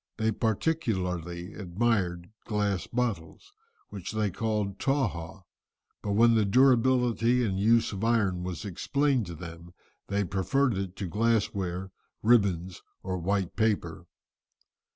They particularly admired glass bottles, which they called Tawhaw, but when the durability and use of iron was explained to them they preferred it to glass ware, ribbons, or white paper.